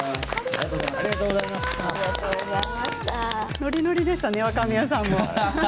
ノリノリでしたね若宮さんも。